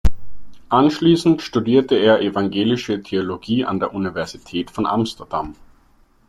Anschließend studierte er Evangelische Theologie an der Universität von Amsterdam.